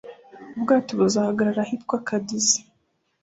Ubwato buzahagarara ahitwa Cadiz.